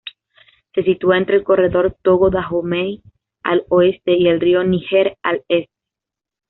Se sitúa entre el Corredor Togo-Dahomey, al oeste, y el río Níger, al este.